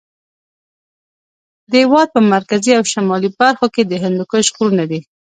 د هېواد په مرکزي او شمالي برخو کې د هندوکش غرونه دي.